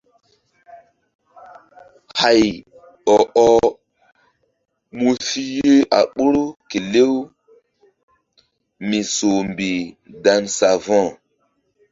Hay ɔ-ɔh mu si yeh a ɓoru kelew mi soh mbih dan savo̧h.